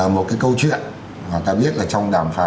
một cái câu chuyện mà ta biết là trong đàm phán